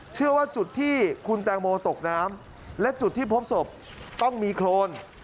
เชื่อว่าจุดที่คุณแตงโมตกน้ำและจุดที่พบศพต้องมีโครน